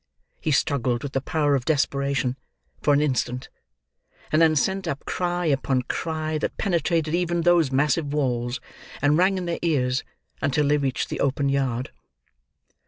He struggled with the power of desperation, for an instant; and then sent up cry upon cry that penetrated even those massive walls, and rang in their ears until they reached the open yard.